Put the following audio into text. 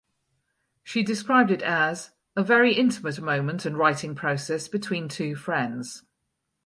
She described it as "a very intimate moment and writing process between two friends".